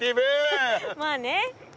まあね。